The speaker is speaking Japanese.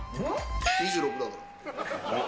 ２６だから。